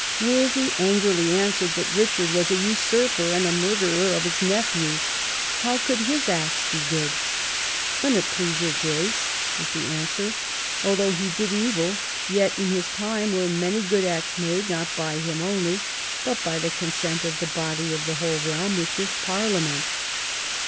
Wolsey angrily answered that Eichard was a usurper and a murderer of his nephews; how could his acts be good ?" An it please your Grace," was the answer, " although he did evil, yet in his time were many good acts made not by him only, but by the consent of the body of the whole realm, which is Parliament."